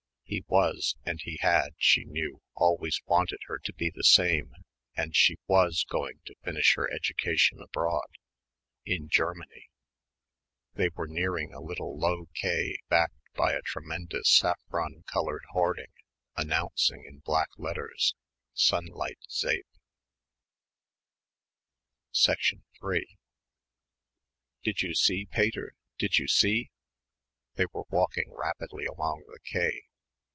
He was and he had, she knew, always wanted her to be the same and she was going to finish her education abroad ... in Germany.... They were nearing a little low quay backed by a tremendous saffron coloured hoarding announcing in black letters "Sunlight Zeep." 3 "Did you see, Pater; did you see?" They were walking rapidly along the quay.